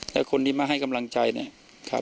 แล้วคนที่มาให้กำลังใจเนี่ย